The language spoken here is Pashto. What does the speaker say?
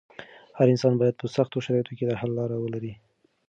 هر انسان بايد په سختو شرايطو کې د حل لاره ولري.